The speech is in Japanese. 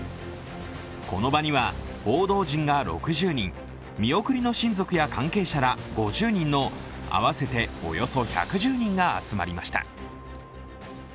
この場には報道陣が６０人、見送りの親族や関係者ら５０人の合わせておよそ１１０人が集まりました。